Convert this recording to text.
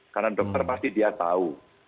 karena dokter pasti dia tahu